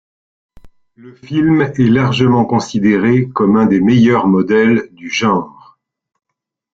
Le film est largement considéré comme un des meilleurs modèles du genre.